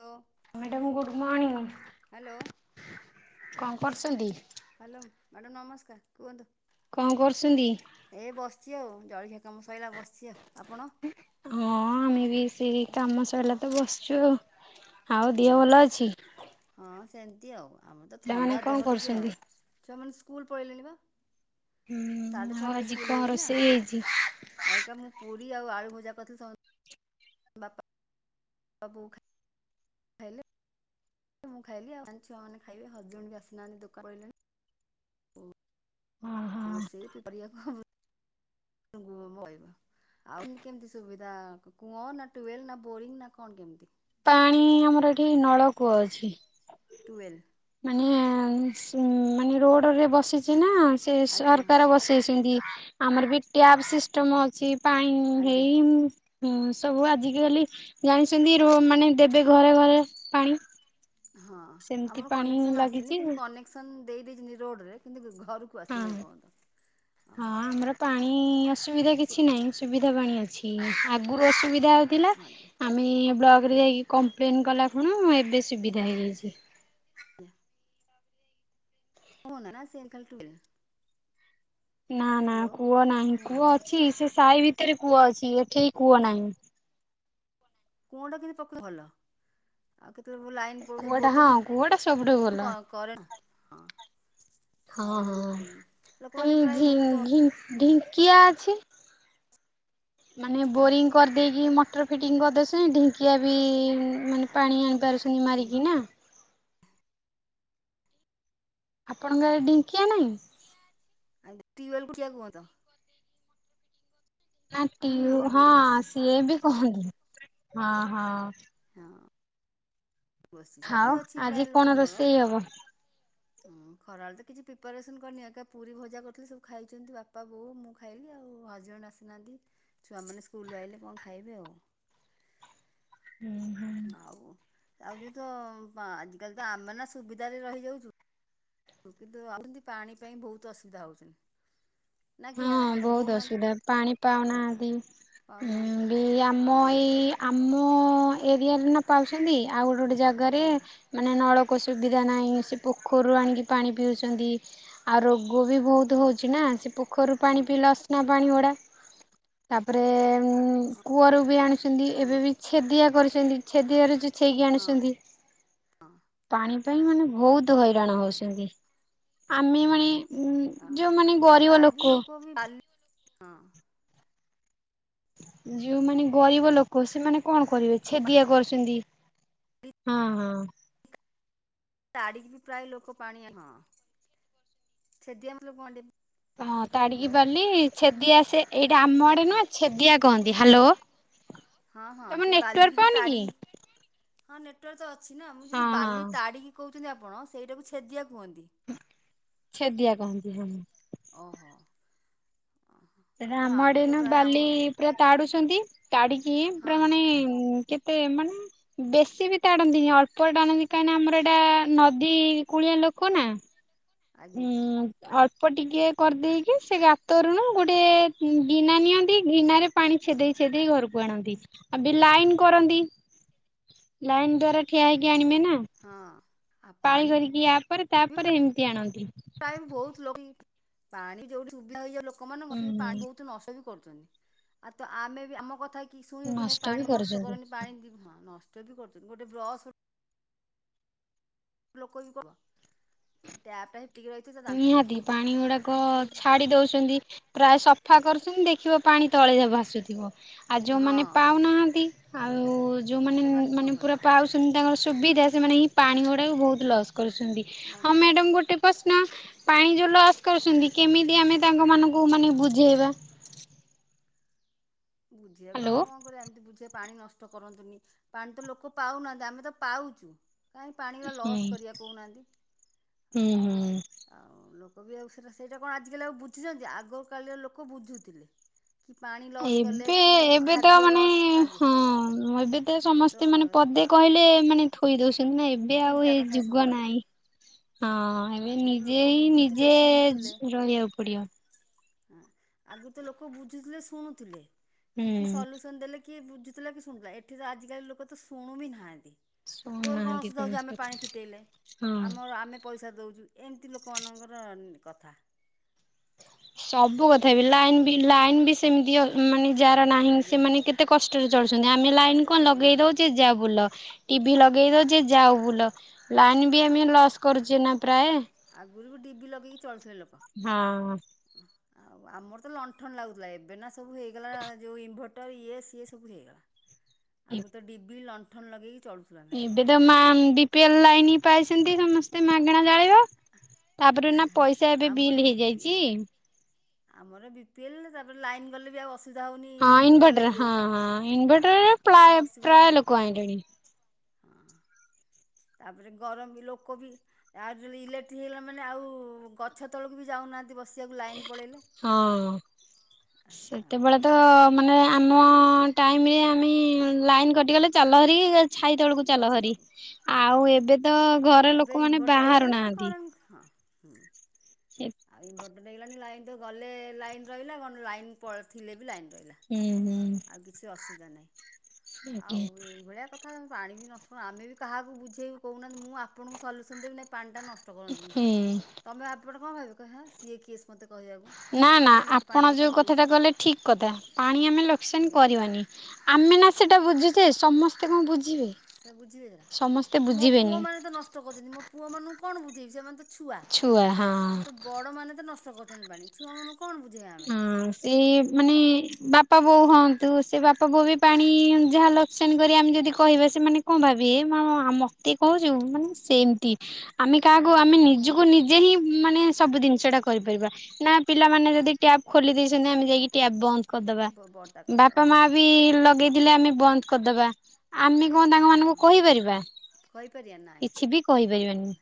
ହ୍ୟା [inaudible] madam good morning. Hello, କଣ କରୁଛନ୍ତି hello madam ନମସ୍କାର କୁହନ୍ତୁ। କଣ କରୁଛନ୍ତି? ଏ ବସିଛି ଆଉ ଜଳଖିଆ କାମ ସଇଲା ବସିଛି ଆଉ ଆପଣ ହଁ ଆମେ ବି ସେଇ କାମ ସରିଲା ତ ବସିଛୁ ଆଉ ଆଉ ଦିହ ଆଜ୍ଞା ଭଲ ହଁ ଅଛି? ହଁ ସେମିତି ଆଉ ଆମର ତ ପିଲାମାନେ ଥଣ୍ଡା କଣ ଦେହ ଟିକେ ଆଉ କରୁଛନ୍ତି? ଛୁଆମାନେ ସ୍କୁଲ ପଳେଇଲେଣି ବା ହୁଁ ସାଢେ ଆଉ ଛଅଟାରେ ଆଜି ସ୍କୁଲ କଣ ହେଇଯାଇଛି ରୋଷେଇ ହେଇଛି? ନାଁ ଅଇକା ମୁଁ ପୁରୀ ଆଉ ଆଳୁ ଭଜା କରିଥିଲି ସବୁ ଖା ଖାଇଲେ। ମୁଁ ଖାଇଲି ଆଉ ଛୁଆ ମାନେ ଖାଇବେ ହଜବେଣ୍ଡ ବି ଆସିନାହାନ୍ତି ଦୋକାନ ପଳେଇଲେଣି। ଓହୋ ରୋଷେଇ ପରିବାକୁ ହବ। [unintelligible] କହିବ। ଆଉ କେମିତି ସୁବିଧା କୂଅ ନା ଟୁଏେଲ୍ ନା ବୋରିଙ୍ଗ ନା କଣ କେମିତି? ପାଣି ଆମର ଏଠି ନଳକୂଅ ଅଛି। ଟୁଏଲ୍। ମାନେ ମାନେ ରୋଡରେ ବସିଚି ନା ସେ ଆଜ୍ଞା ସରକାର ହଁ ବସେ ସେ ସେମିତି ଆମର ବି ଟ୍ୟାବ୍ ସିଷ୍ଟମ ଅଛି ପାଣି ଆଜ୍ଞା ହେଇ ହୁଁ ସବୁ ଆଜିକାଲି ଜାଣିଛନ୍ତି ରୋ ମାନେ ଦେବେ ଘରେ ଘରେ ପାଣି। ହଁ ସେମିତି ଆମର ପାଣି କନେକ୍ସନ ଆସିନି ଲାଗିଛି କିନ୍ତୁ ହଁ। କନେକ୍ସନ ଦେଇ ଦେଇଛନ୍ତି ରୋଡରେ କିନ୍ତୁ ଘରକୁ ହଁ ଆସିନି ଏପର୍ଯ୍ୟନ୍ତ। ହଁ ଓହୋ ଆମର ପାଣି ଆଜ୍ଞା ଅସୁବିଧା କିଛି ନାହିଁ। ସୁବିଧା ପାଣି ଅଛି। ଆଗରୁ ଅସୁବିଧା ହେଉଥିଲା ଆଜ୍ଞା ଆମେ ବ୍ଲକରେ ଯାଇକି କମ୍ପ୍ଲେନ୍ କଲା ପୁଣ ଏବେ ସୁବିଧା ହେଇଯାଇଛି। ତା ମୋ ନାନା ସିଏ କାଲି ଠୁ [unintelligible] ନା ନା କୂଅ ନାହିଁ କୁଅ କୂଅ ନା ଅଛି ସେ ସାହି ଭିତରେ କୂଅ ଅଛି ଏଠି ଓ କଣଟା କେମିତି ପକେଇ ଭଲ। ଆଉ କେତେବେଳେ ପୁଣି ଲାଇନ୍ ପଳଉଛି କୂଅଟା ବୋଇତ ହଁ କୂଅଟା ସବୁଠୁ ଭଲ ପୁଣି କ କରେଣ୍ଟ୍। ହଁ ହଁ ଆଉ ହଁ ଯୋଉ ଏଇ ଲୋକମାନେ ପ୍ରାୟ ଢି ବହୁତ ଅ ଢି ଢିଙ୍କିଆ ଅଛି ମାନେ ଅସୁବିଧା ବୋରିଂ କରିଦେଇକି ମଟର ଫିଟିଙ୍ଗ କରିଦେ ସେ ଢିଙ୍କିଆ ବି ମାନେ ପାଣି ଆଣିପାରୁଛନ୍ତି ମାରିକି ନା। ଆପଣଙ୍କ ଗାଁରେ ଢ଼ିଙ୍କିଆ ନାହିଁ। ଏମିତି ଟିଅଲ୍ ପକେଇବା କୁହନ୍ତ। କରିଦେଇକି ମଟର ପିଟିଙ୍ଗ କରିଦେଇକି ନା ଟିଓ ହଁ ସିଏ ବି କହନ୍ତି ହଁ ହଁ। ହଁ ବସି ମୁଁ ବି ଖାଅ ଅଛି ପ୍ରାୟ ଆଜି କଣ ଲୋକଙ୍କର ରୋଷେଇ ହବ? ଖରାବେଳେ ତ କିଛି ପ୍ରିପାରେସନ କରିନି ଏକା ପୁରୀ ଭଜା କରିଥିଲି ସବୁ ଖାଇଛନ୍ତି ବାପା ବୋଉ ମୁଁ ଖାଇଲି ଆଉ ହଜବେଣ୍ଡ ଆସିନାହାନ୍ତି ଛୁଆମାନେ ସ୍କୁଲରୁ ଆଇଲେ କଣ ଖାଇବେ ଆଉ। ହୁଁ ହୁଁ। ଆଉ ଆଉ ଯେ ତ ଆଜିକାଲି ତ ଆମେ ନା ସୁବିଧାରେ ରହିଯାଉଛୁ। କିନ୍ତୁ [unintelligible] ପାଣି ପାଇଁ ବହୁତ ଅସୁବିଧା ହଉଛନ୍ତି। ହଁ ବହୁତ ଅସୁବିଧା ପାଣି ବହୁତ ପାଉନାହାନ୍ତି। ପାଉନାହାନ୍ତି ବି ଆମ ଆଉ ଏଇ ଆମ ଏରିଆରେ ନା ପାଉଛନ୍ତି ଆଉ ଗୋଟେ ଗୋଟେ ଜାଗାରେ ଆଜ୍ଞା ମାନେ ନଳକୂଅ ସୁବିଧା ନାଇଁ ସେ ପୋଖରୁ ଆଣିକି ପାଣି ପିଉଛନ୍ତି। ଆଉ ରୋଗ ବି ବହୁତ ହଉଚି ନା ସେ ପୋଖରୁ ପାଣି ପିଇଲେ କହୁଛନ୍ତି ଅସନା ପାଣି ଉଡ଼ା। ତାପରେ କୂଅରୁ ବି ଆଣୁଛନ୍ତି ହଁ ଏବେ ବି ଛେଦିଆ କରିଛନ୍ତି ଛେଦିଆରେ ଛେଇକି ହଁ ଆଣୁଛନ୍ତି। ପାଣି ସେଇମାନେ ବହୁତ ହଇରାଣ ହଉଛନ୍ତି। ଆମେ ମାଣେ ଉଁ ହଁ ଯୋଉମାନେ ଗରିବ ପ୍ରାୟ ଲୋକ ବି ବି ବାଲି ହଁ ଯୋଉମାନେ ଗରିବ ଲୋକ ସେମାନେ କଣ କରିବେ ଛେଦିଆ କରୁଛନ୍ତି। ହଁ ହଁ‌। ତାଡିକି ବି ପ୍ରାୟ ଲୋକ ପାଣି ହଁ ସେଦି ଆମ ଲୋକ ହଁ ତାଡିକି ବୋଲି ଛେଦି ଆସେ। ଏଇଟା ଆମ ଆଡେ ହଁ ନୁହଁ ଛେଦିଆ କୁହନ୍ତି। ହ୍ୟାଲୋ ହଁ ହଁ ତମ ସେ ବାଲିକି ନେଟୱାର୍କ ଯୋଉ ପାଉନି କି? ତାଡ଼ିକି [unintelligible] ହଁ ନେଟୱାର୍କ ତ ଅଛି ନା। ମୁଁ ହଁ ଯଉଁ ବାଲି ହଁ ତାଡ଼ିକି କହୁଛନ୍ତି ଆପଣ ସେଇଟାକୁ ଛେଦିଆ କୁହନ୍ତି। ଛେଡିଆକହନ୍ତି ହେଣି। ଓହୋ! ଓହୋ। ତ ଆମ ଆମେ ଆଡେ ତ ନା ପ୍ରାୟ ଆମ ବାଲି ପୁରା ତାଡୁଛନ୍ତି ତାଡିକି ହଁ ପୁରା ହଁ ମାନେେ। ସେ ମାନେ ବେଶୀ ବି ତାଦନ୍ତଇକାହିଁକିନା ଆମର ଏଇଟା ନଦୀ କୁଳିଆ ଲୋକ ନା। ଆଜ୍ଞା ହୁଁ। ଅଳ୍ପ ଟିକେ କରିଦେଇକି ସେ ଗାତରୁଣୁ ଗୋଟେ ଗିନା ନିଅନ୍ତି ଗିନାରେ ପାଣି ଛେଦେଇ ଛେଦେଇ ଘରକୁ। ଆଉ ଲାଇନ କରନ୍ତି ଲାଇନ ଦ୍ୱାରା ଠିଆ ହେଇକି ଆଣିବେ ନା। ହଁ। ଆଉ ପାଳି ପାଣି କରିକି ୟା ପରେ ବି ତାପରେ ଏମିତି ଆଣନ୍ତି। ପ୍ରାୟ ବହୁତ ଲୋକ ପାଣି ଯୋଉଠି ସୁବିଧା ହେଇଯିବ ଲୋକ ମାନ ଙ୍କ ହୁଁ ରପାଣି ବହୁତ ନଷ୍ଟ ବି କରୁଛନ୍ତି। ଆଉ ଆମ କଥା କେହି ଶୁଣୀବେ କି ନଷ୍ଟ ବି ପାଣି ନଷ୍ଟ କରୁଛନ୍ତି। କରନାହିଁ। ପାଣି ବହୁତ୍ ନଷ୍ଟ ବି କରୁଛନ୍ତି। ଗୋଟେ ବ୍ରସ୍ ଲୋକ ବି କ ରୁଛନ୍ତି। ଟ୍ୟାପ ଟା ସେତିକି ରହିଛି ନିହାତି ପାଣି ଗୁଡାକ ଛାଡି ଦଉଛନ୍ତି। ପ୍ରାୟ ସଫା କରୁଛନ୍ତି ଦେଖିବ ପାଣି ତଳେ ଭାସୁଥିବ। ଆଉ ହଁ ଯୋଉମାନେ ପାଉନାହାନ୍ତି। ଆଉ ଯୋଉମାନେ ସେମାନେ କଣ ମାନେ କର ପୁରା, ପାଉଛନ୍ତି ତାଙ୍କର ସୁବିଧା ସେମାନେ ହିଁ ପାଣି ଗୁଡ଼ାକ ବହୁତ ଲସ୍ କରୁଛନ୍ତି। ଲସ୍ ହଁ କରୁଛନ୍ତି ମ୍ୟାଡ଼ମ୍ ଗୋଟେ, ପ୍ରଶ୍ନ ପାଣି ଯେଉଁ ଲସ କରୁଛନ୍ତି କେମିତି ଆମେ ତାଙ୍କମାନଙ୍କୁ ମାନେ ବୁଝେଇବା। ବୁଝିବାକୁ ହ୍ୟାଲୋ ଆମେ କଣ କ ରିବା ଏମତି ବୁଝେଇବା ପାଣି ନଷ୍ଟକର ନାହିଁ। ନଷ୍ଟ କରନ୍ତୁନି ପାଣି ତ ଲୋକ ପାଉନାହାନ୍ତି। ଆମେ ତ ପାଉଛୁ। କାହିଁ ପାଣି ଗୁଡ଼ା ହୁଁ ଲସ୍ କରିବା କହୁନାହାନ୍ତି ହୁଁ ହୁଁ। ଆଉ ଲୋକ ବି ଆଉ, ସେଇଟା ସେଇଗୁଡ଼ାକଣ ଆଜିକାଲିଲୋକଆଉ ବୁଝୁଛନ୍ତି। ଆଗ କାଳର ଲୋକ ବୁଝୁଥିଲେ କି ପାଣି ଲସ୍ କଲେ ଏବେ କି ଏବେ ତ ଖାଦ୍ୟ ମାନେ ଲସ୍ ଆଜ୍ଞା ହଁ ଏବେ ତ ସମସ୍ତେ ମାନେ ପଦେ କହିଲେ ମାନେ କହି ଦଉଛନ୍ତି ନା ଏବେ ଆଉ ତିନିଟା ଏ କଥା ଯୁଗ ଶୁଣିବାକୁ ନାହିଁ ପଡ଼ିବ ହଁ ଏବେ ଆଗରୁ ନିଜେ ଲୋକ ହିଁ ବୁଝୁଥିଲେ ନିଜେ ଶୁଣୁଥିଲେ ରହିବାକୁ ପଡିବ ହଁ ଆଗରୁ ତ ଲୋକ ବୁଝୁଥିଲେ ଶୁଣୁଥିଲେ ହୁଁ କି ସଲ୍ୟୁସନ୍ ଦେଲେ କି ବୁଝୁଥିଲେ କି ଶୁଣୁଥିଲେଏଠି ତ ଆଜିକାଲି ଲୋକ ଶୁଣୁ ବି ନାହାଁନ୍ତି ତୋର କଣ ଶୁଣୁନାହାନ୍ତି ଆସୁବିଧା ହଉଛି କୌଣସି ଆମେ କଥା ପାଣି ଫିଟେଇଲେ ହଁ। ଆମର ଆମେ ପଇସା ଦେଉଛୁ। ଏମିତି ଲୋକମାନଙ୍କର କଥା ସବୁ କଥାବି ଲାଇନ୍ ବି ଲାଇନ୍ ବି ସେମିତି ମାନେ ଯାହାର ନାହିଁ। ଆଜ୍ଞା ହଁ ସେମାନେ କେତେ କଷ୍ଟରେ ଚଳୁଛନ୍ତି, ଆମେ ଲାଇନ୍ କଷ୍ଟରେ କଣ ଲଗାଇ ଚଳୁଛନ୍ତି ହଁ ଦେଉଛେ ଯାହା ବୁଲ ଟିଭି ଲଗେଇ ଦଉଚେ ଯାଓ ବୁଲ। ଲାଇନ ବି ଆମେ ଲସ୍ କରୁଛେ ନା ପ୍ରାୟ, ଆଗରୁ ବି ଡିିବି ରି ଲଗେଇକି ଚଳୁଥିଲେ ଲୋକ। ହଁ। ଆଉ ଆମର ତ ଲଣ୍ଠନ ଲାଗୁଥିଲା। ଏବେ ନା ସବୁ ହେଇଗଲା, ଯେଉଁ ଇନଭର୍ଟର ଇଏ ସିଏ ସବୁ ହେଇଗଲା। ଆଗରୁ ତ ଡିବିରି ଲଣ୍ଠନ ଲଗେଇକି ଚଳୁଥିଲୁ ଆମେ। ଏବେ ତ ମା ବି, ପି, ଏଲ ଲାଇନ ପାଇଛନ୍ତି ସମସ୍ତେ ମାଗଣା ଜାଳିବ। ତାପରେ ନା ପଇସା ଏବେ ଆମରି ବିଲ୍ ବି ପି ହେଇଯାଇଛି ଏଲ୍ ଆମର ବି ପିଏଲ ତାପରେ ଲାଇନ୍ ଗଲେ ବି ଆଉ ଅସୁବିଧା ହେଉନି ହଁ ଇନଭଟର ଇନଭର୍ଟର ହଁ ଲାଗିଯାଇଛି। ହଁ ହଁ ଇନଭର୍ଟରରେ ପ୍ରାୟ ଆଉ ଅସୁବିଧା ପ୍ରାୟ ଲୋକ କଣ? ଆଇଲେଣି ହଁ। ତାପରେ ଗରମ ବି ଲୋକ ବି ଆଉ ଯଦି ଇଲେକ୍ଟ୍ରିକ ହେଇଗଲା ମାନେ ଆଉ ଗଛ ତଳକୁ ବି ଯାଉନାହାଁନ୍ତି ବସିବାକୁ ଲାଇନ୍ ପଳେଇଲେ ହଁ। ସେତେବେଳେ ତ ମାନେ ଆମ ଟାଇମରେ ଆମେ ଲାଇନ୍ କଟିଗଲେ ଚାଲ ହେରି ଛାଇ ତଳକୁ ଚାଲ ଗଛ ହରି ପାଖକୁ ହଁ ଆଉ ଏବେ ତ ଘର ଏବେ ଲୋକମାନେ ଇନଭର୍ଟର୍ ବାହାରୁ ହେଇଗଲାଣି ଆଉ ନାହାନ୍ତି କରେଣ୍ଟ ହଁ। ହୁଁ ଆଉ ଇନଭର୍ଟଣ୍ଟ ହେଇଗଲାଣି ଲାଇନ୍ ତ ଗଲେ ଲାଇନ୍ ରହିଲା ଲାଇନ୍ ଥିଲେ ବି ଲାଇନ୍ ରହିଲା ହୁଁ ହୁଁ। ଆଉ କିଛି ଅସୁବିଧା ନାହିଁ ଆଉ ଆଜ୍ଞା ଏଇଭଳିଆ କଥା କାରଣ ପାଣି ବି ନ ଶୁ ଆମେ ବି କାହାକୁ ବୁଝେଇକୁ କହୁନାହାଁନ୍ତି ଆପଣଙ୍କୁ ସଲୁୟସନ ଦେବି ନାହି ପାଣିଟା ନ ନଷ୍ଟ କରନ୍ତୁନି ହୁଁ। ତମେ ଏପଟ କଣ କହିବ ହେଁ ସିଏ କିଏ ସେ ମୋତେ କହିବାକୁ ସିଏ କାହିଁ ମୋତେ ପାଣି କଥା କହୁଛି ଠିକ୍ କଥା ପାଣି ଆମେ ଲୋକସନ୍ ଆଜ୍ଞା କରିବାନି ଆମେ ନା ହେଲା ସେଇଟା ବୁଝୁଛେ ସମସ୍ତେ କଣ ବୁଝିବେ ସେ ବୁଝିବେ ସମସ୍ତେ କେରେକା ମୋ ବୁଝିବେନି। ପୁଅ ମାନେ ତ ନଷ୍ଟ କରୁଛନ୍ତି ମୋ ପୁଅ ମାନଙ୍କୁ କଣ ବୁଝେଇବି ସେମାନେ ତ ଛୁଆ ଆମେ ତ ବଡ଼ ମାନେ ତ ନଷ୍ଟ କରୁଛନ୍ତି ପାଣି ଛୁଆମାନଙ୍କୁ କଣ ବୁଝ ହଁ ସେ ମାନେ ବାପା ବୋଉ ହୁଅନ୍ତୁ ସେ ବାପା ବୋଉ ବି ପାଣି ଯାହା ସେମିତି କରିବେ ଆମେ ଯଦି କହିବା ସେମାନେେ କଣ ଭାବିବେ ମତେ କହୁଛୁ ମାନେ ସେମତି ତି ଆମେ ହଁ ମୋ କାହାକୁ ଆମେ ଘର ମୋ ନିଜକୁ ଇଏ ନିଜେ ହିଁ ଉଁ ମାନେ ସବୁ ଜିନିଷ ଟା କରିପାରିବା ନା ପିଲାମାନେ ଯଦି ଟ୍ୟାବ ଖୋଲି ଦେଇଛନ୍ତି ଆମେ ଯାଇକି ଟ୍ୟାବ ବନ୍ଦ କରିଦବା ବଡଟା କରିଦେବା ବାପା ମା ହଁ ବି ଲଗେଇଥିଲେ ଆମେ ବନ୍ଦ କରିଦବା। ଆମେ କଣ ତାଙ୍କ ହଁ ମାନଙ୍କୁ କହିପାରିବା କହିପାରିବା ନାଇଁ କିଛି ବି କହିପାରିବାନି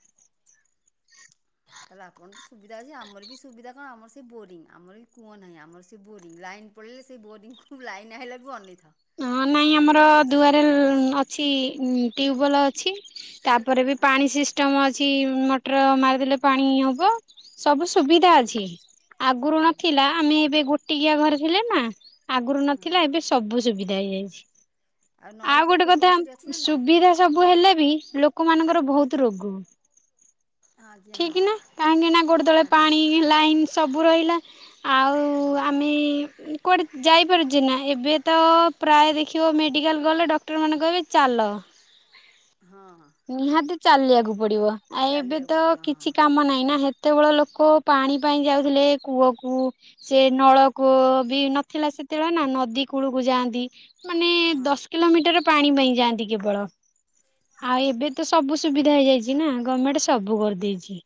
ତାହେଲେ ଆପଣ ତ ସୁବିଧା ଅଛି ଆମର ବି ସୁବିଧା କଣ ଆମର ସେ ବୋରିଂ ଆମର ବି କୂଅ ନାହିଁ ଆମର ସେ ବୋରିଂ ଲାଇନ୍ ପଳେଇିଲେ ସେ ବୋରଂକୁ ଲାଇନ୍ ଆଇଲାକୁ ଅନେଇଥ ହଁ ନାହିଁ ଆମର ଦୁଆରେ ଉଁ ଅଛି ଉଁ ଟ୍ୟୁବୱେଲ୍ ଅଛି ତାପରେ ବି ଆଜ୍ଞା ପାଣି ସିଷ୍ଟମ ଅଛି ମଟର ମାରିଦେଲେ ପାଣି ହବ ସବୁ ସୁବିଧା ଆଜ୍ଞା ଅଛି ଆଗରୁ ହୁଁ। ନଥିଲା ଆମେ ଏବେ ଗୋଟିକିଆ ଘରେ ଥିଲେ ନା ଆଗରୁ ହଁ ନଥିଲା ହଁ ଏବେ ସବୁ ଯାଇଛି। ନଈ ଆଉ ଗୋଟେ ପୋଖରୀ କଥା ପୋଖରୀ ସେଠି ଅଛି ନା ନାଇଁ ସୁବିଧା ସବୁ ହେଲେ ବି ଲୋକମାନଙ୍କର ବହୁତ ରୋଗ ଆଜ୍ଞା ହଁ। ଠିକ ନା କାହିଁକି ନା ଗୋଟେ ତଳେ ଆଜ୍ଞା ପାଣି ହଁ ଲାଇନ ସବୁ ରହିଲା ଆଉ ହଁ ଆମେ କୁଆଡ଼େ ଯାଇପାରୁଛି ନା ଏବେ ତ ପ୍ରାୟ ଦେଖିବ ମେଡ଼ିକାଲ ଗଲେ ଡକ୍ଟରମାନେ କହିବେ ଚାଲ ହଁ ହଁ। ନିହାତି ଚାଲିବାକୁ ପଡିବ ଆଉ ଏବେ ଚାଲିବାକୁ ତ ପଡିବ ହଁ କିଛି କାମ ନାହିଁ ନା ସେତେବେଳ ଲୋକ ପାଣି ପାଇଁ ଯାଉଥିଲେ କୂଅକୁ ସେ ନଳକୂଅ ବି ନଥିଲା ସେତେବେଳେ ନା ନଦୀ କୂଳକୁ ଯାଆନ୍ତି। ମାନେ ହଁ ଦଶ କିଲୋମିଟର ପାଣି ହଁ ପାଇଁ ଯାଆନ୍ତି କେବଳ ଆଉ ଏବେ ତ ସବୁ ସୁବିଧା ହେଇଯାଇଛି ନା ଗମେଣ୍ଟ ସବୁ କରିଦେଇଛି।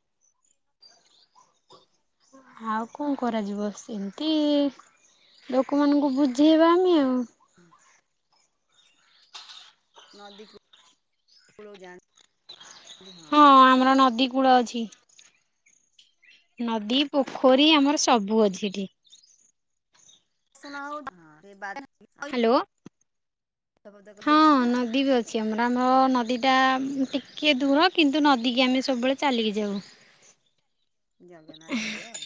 ଆଉ କଣ କରାଯିବ ସେମିତି ଲୋକମାନଙ୍କୁ ବୁଝେଇବା ଆମେ ଆଉ [inaudible] ନଦିକୁ [inaudible] କୁଳ କୁ ଯାନ [unintelligible] ହଁ ଆମର ନଦୀ କୂଳ ଅଛି ନଦୀ ପୋଖରୀ ଆମର ସବୁ ଅଛି ଏଠି [inaudible] ହାଲୋ ହଁ ନଦୀ ବି ଅଛି ଆମର ଆମର ନଦୀଟା ଉମ ହଁ ଟିକ୍ କେ ଦୂର କିନ୍ତୁ ନଦୀକି ଆମେ ସବୁବେଳେ ଚାଲିକି ଯାଉ ଜଗନ୍ନାଥ ଭଳିଆ ଆଉ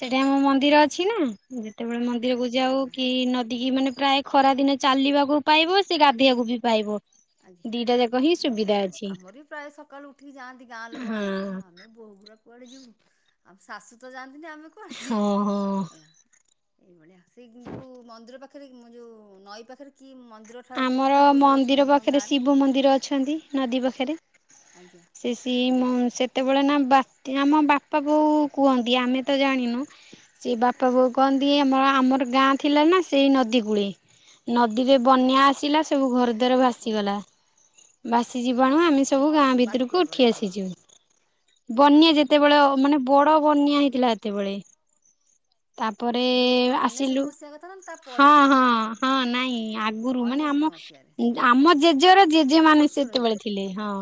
ସେଠି ଆମ ମନ୍ଦିର ଅଛି ନା ଯେତେବେଳେ ମନ୍ଦିରକୁ ଯାଉ ଆଜ୍ଞା। କି ନଦୀ କି ମାନେ ପ୍ରାୟ ଖରା ଦିନେ ଚାଲିବାକୁ ପାଇବ ସେ ଗାଧୋଇବାକୁ ବି ପାଇବ ଆଜ୍ଞା ଦିଟା ଯାକ ହିଁ ସୁବିଧା ବଢିଆ ଆଉ ଅଛି ଆମର ବି ପ୍ରାୟ ସକାଳୁ ଉଠିକି ଯାଆନ୍ତି ଗାଁ ଲୋକ ହଁ ମାନେ ଆଉ ଆମେ ବୋହୁଗୁଡ଼ା କୁଆଡେ ଯିବୁ ଆମ ଶାଶୁ ତ ଯାଆନ୍ତିନି ଆମେ କୁଆଡେ ହଁ ଯିବୁ ହଁ। ହେଲା ଏଇଭଳିଆ ସେ କିନ୍ତୁ ମନ୍ଦିର ପାଖରେ ମୁଁ ଯେଉଁ ନଈ ପାଖରେ କି ମନ୍ଦିର ଠା କଉ ଠାକୁର ସବୁ ଅଛନ୍ତି ଆ ସେଠି ଶିବ ମନ୍ଦିର ଅଛନ୍ତି ନଦୀ ପାଖରେ ଆଜ୍ଞା ସେ ଶି ମ ଆଜ୍ଞା [inaudible] ସେତେବେଳେ ନା ବା ଆମ ବାପା ବୋଉ କୁହନ୍ତି ଆମେ ତ ଜାଣିନୁ ସେ ବାପା ବୋଉ କହନ୍ତି ଆଜ୍ଞା ଆମ ଆମର ଗାଁ ଥିଲା ନା ସେଇ ନଦୀ କୂଳେ ନଦୀରେ ବନ୍ୟା ଆସିଲା ସବୁ ଘରଦ୍ବାର ଓହୋ। ଭାସିଗଲା ଭାସିଯିବାଣୁ ଆହା ଆମେ ଯୋଉ ବ ସବୁ ଗାଁ ଭିତରକୁ ବାତ୍ୟା ବେଳେ ଉଠି ହଁ ଆସିଛୁ ବନ୍ୟା ଯେତେବେଳେ ଓହୋ। ଅ ମାନେ ବଡ ବନ୍ୟା ହେଇଥିଲା ଯେତେବେଳେ ତାପରେ ଯୋଉ କଣ ଅନେଶତ ଆସିଲୁ ମସିହା କଥା ନା ତାପରେ ହଁ ଯୋଉଟା ହଁ ହଁ ନାଇଁ ଆ ଗୁରୁ ମାନେ ଅନେଶତ ଆମ ମସିହାରେ ଉମ ଆମ ଜେଜେର ଜେଜେ ମାନେ ଛୋଟ ଛୋଟ ହେଇଥିଲା। ସେତେବେଳେ ଥିଲେ ହଁ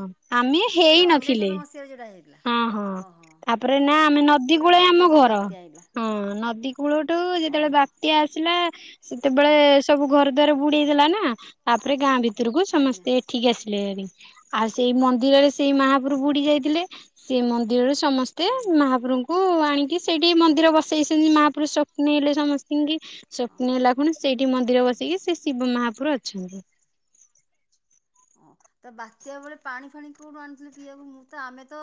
ଆମେ ହେଇନଥି ଅନେଶ୍ବତ ମସିହାରେ ଯୋଉଟା ହେଇ ହଁ ହଁ ତାପରେ ନା ଆମେ ନଦୀ ସେଇଟା କୂଳେ ବଡ଼ ଆମ ଦ ଘର ବାତ୍ୟା ହେଇଥିଲା ହଁ ନଦୀ କୂଳଠୁ ଯେତେବେଳେ ଓହୋ ବା ତ୍ଯା ଆସିଲା ସେତେବେଳେ ସବୁ ଘର ଦ୍ୱାର ବୁଡେଇ ଦେଲା ନା ତାପରେ ଗାଁ ଭି ତୁରୁ କୁ ଆଜ୍ଞା। ସମସ୍ତେ ଏଠିକି ଆସିଲେ ହେରି ସେଇ ମନ୍ଦିରରେ ସେଇ ମାହାପୁରୁ ବୁଡି ଯାଇଥିଲେ ସେ ମନ୍ଦିରରେ ସମସ୍ତେ ଆଜ୍ଞା। ମହାପୁରୁଙ୍କୁ କୁ ଆଣିକି ସେଇଠି ମନ୍ଦିର ବସେଇଛନ୍ତି ମହାପୁରୁ ସ୍ୱପ ନେଇଲେ ସମସ୍ତି ଙ୍କି ସ୍ୱପ୍ନେ ଓହୋ ଲାଗୁନି ସେଇଠି ମନ୍ଦିରେ ହୁଁ। ବସିକି ସେ ଶିବ ମାହାପୁରୁ ଅଛନ୍ତି ହଁ ତ ବାତ୍ୟା ବେଳେ ପାଣି ଫାଣି କୋଉଠୁ ଆଣିଥିଲୁ ପିଇବାକୁ ମୁଁ ତ ଆମେ ତ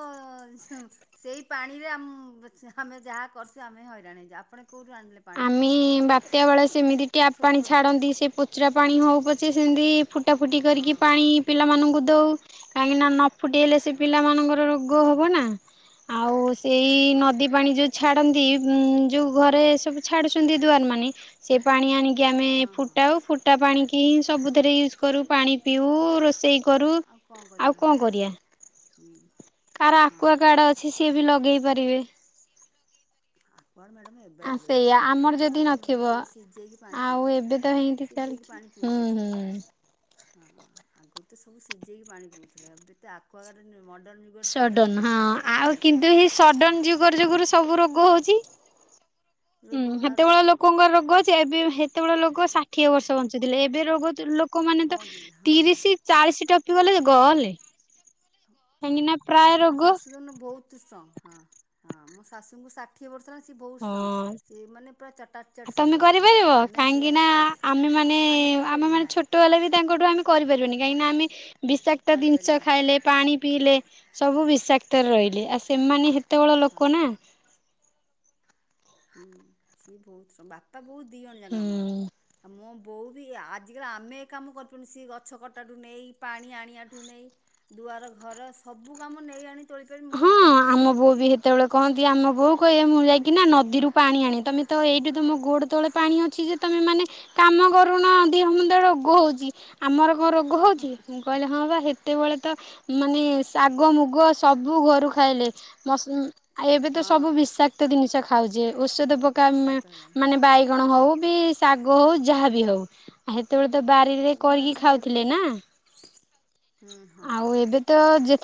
ସୁ ସେଇ ପାଣିରେ ଆମ ଯାହା ଆମେ ଯାହା କରଛୁ ଆମେ ହଇରାଣ ହେଇଛୁ ଆପଣ କଉଠୁ ଆଣିଥିଲେ ପାଣି ମି ବାପ ତ୍ଯା ବେଳେ ସେମିତି ଟ୍ୟାପ୍ ଛୋଟ ପାଣି ଛୋଟ ହେଇକି। ଛାଡ଼ନ୍ତି ସେଇ ପୋଚରା ପାଣି ହଉ ପଛେ ସେମିତି ଫୁଟା ଫୁଟି କରିକି ପାଣି ପିଲାମାନଙ୍କୁ ଦେଉ କାହିଁକିନା ନ ଫୁଟେଇଲେ ସେଇ ପିଲାମାନଙ୍କର ରୋଗ ରୋଗ ହବ ନା ଆଉ ସେଇ ହବ ନା। ହଁ ନଦୀ ପାଣି ଯଉ ଛାଡ଼ନ୍ତି ଯଉ ଘରେ ଆଜ୍ଞା। ଛାଡୁଛନ୍ତି ଦୁଆର ମାନେ ସେ ପାଣି ଆଣିକି ଆମେ ହଁ ହଁ। ଫୁଟାଉ ଅଟା ପାଣିକି ହି ସବୁଥିରେ ୟୁଜ୍ କରୁ ପାଣି ପିଉ ରୋଷେଇ କରୁ କଣ କରିବା ଆଉ ହଁ କଣ କରିବା ହୁଁ କାହାର ଆକୁଆ ହଁ ଗାର୍ଡ଼ ଅଛି ସିଏ ବି ଲଗେଇ ପାରିବେ [unintelligible] ଗୁଆଡ଼ ମ୍ୟାଡ଼ମ ଏବେଆ ଆ ଲାଗିଲା ସେଇଆ ଆକୁଆ ଆମର ଗାଡ୍ ତ ଯଦି ଆଗୁ ନଥିଲା ନଥିବ ସେଇ ସିଝେଇକି ପାଣି ଆଉ ଏବେ ତ ପିଉଥିଲେ ଏମିତି ସିଝେଇକି ଚାଲିଛି। ପାଣି ହୁଁ ପିଉଥିଲେ ଛୁଆ ହୁଁ। ହଁ ଆଗୁରୁ ତ ସବୁ ସିଝେଇକି ପାଣି ପିଉଥିଲେ ଏବେ ତ ଆକୁୁଆଗାର୍ଡ଼ ମଡ଼ର୍ଣ୍ଣ ସଡନ ହଁ ଆଉ କିନ୍ତୁ ଏ ସଡନ ହଁ। ଯୁଗର ଯୁଗରୁ ସବୁ ରୋଗ ହୋଉଚି। ହୁଁ ରୋଗ ବାହାରୁଛି ହେତେବେଳେ ହଁ। ଲୋକଙ୍କ ରୋଗ ଅଛି ଏବେ ସେତେବେଳେ ହେତେବେଳେ ଲୋକ ଷାଠିଏ ବର୍ଷ ବଞ୍ଚୁଥିଲେ ଏବେ ରୋଗ ଲୋ ଲୋକମାନେତ ବଞ୍ଚୁଥିଲେ ହଁ। ତିରିଶି ଲୋକମାନେ ଚାଳିଶି ତ ଟପି ଗଲେ ଗଲେ। କାହିଁକି ନା ପ୍ରାୟ ଆମ ରୋଗ ଶାଶୁ ଜୋଉଦିନ ବହୁତ୍ ବହୁତ ଷ୍ଟ୍ରଙ୍ଗ୍ ହଁ ହଁ ମୋ ଶାଶୁଙ୍କୁ ଷାଠିଏ ବର୍ଷ ହେଲାଣି ସିଏ ବହୁତ ହଁ। ଷ୍ଟ୍ରଙ୍ଗ ସିଏ ମାନେ ପ୍ରାୟ ଚାରିଟା ତମେ କରିପାରିବ କାହିଁକି ନା କରିପାରିବୁ ଆମେ ମାନେ ଆମେ କରିପାରିବୁ ମାନେ ନାହିଁ। ଛୋଟହେଲେ ବି ତାଙ୍କଠୁ ଆମେ କରିପାରିବନି କାହିଁକିନା ଆମେ ବିଷାକ୍ତ ଜିନିଷ କରିପାରିବାନି। ଖାଇଲେ ପାଣି ପିଇଲେ ସବୁ ବିଷାକ୍ତରେ ରହିଲେ ଆଉ ସେମାନେ ହେତେବେଳ ହଁ। ଲୋକ ନା। ହୁଁ ସିଏ ବହୁତ ବାପା ବୋଉ ଦିଇଅଣ ଯାକ ଆମର। ହୁଁ। ଆଉ ମୋ ବୋଉ ବି ଆଜିକାଲି ଆମେ ଏ କାମ କରିପାରୁନୁ ସିଏ ଗଛ କଟାଠୁ ନେଇ ପାଣି ଆଣିବାଠୁ ନେଇ ଦୁଆର ଘର ସବୁ କାମ ନେଇ ଆଣି ତୋଳି ପାରିବି ହଁ ମୁଁ ତୋଳି ପାରିବି କରିପାରିବିନି। କହେ ମୁଁ ଯାଇକି ନା ନଦୀରୁ ପାଣି ଆଣେ ତମେ ତ ଏଇଠୁ ତମ ଗୋଡ ତଳେ ପାଣି ଅଛି ଯେ ତମେ ମାନେ କାମ କରୁନ ଦେହ ମୁ କେତେ ରୋଗ ହୋଉଚି ଆମର କଣ ରୋଗ ହୋଉଚି। କହିଲେ ହଁ ବା ହେତେବେଳେ ତ ମାନେ ଶାଗ ମୁଗ ସବୁ ଘରୁ ଖାଇଲେ ଏବେ ତ ସବୁ ବିଷାକ୍ତ ହଁ। ବିଷାକ୍ତ ଜିନିଷ ଖାଉଚେ ଔଷଧ ପକା ବିଷାକ୍ତ ହେଲାଣି ମାନେ ହଁ। ବାଇଗଣ ହୋଉ ବି ଶାଗ ହୋଉ ଯାହାବି ହୋଉ ହେତେବେଳେ ତ ବାରିରେ ସବୁ କରିକି ମେଡ଼ିସିନ ପଡ଼ୁଛି ଖାଉଥିଲେ ଆଉ ନା। ହୁଁ ହଁ। ଆଉ ଏବେ ତ ଯେ